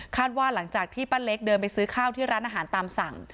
ว่าหลังจากที่ป้าเล็กเดินไปซื้อข้าวที่ร้านอาหารตามสั่ง